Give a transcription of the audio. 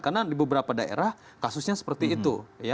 karena di beberapa daerah kasusnya seperti itu